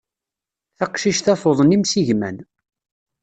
Taqcict-a tuḍen imsigman.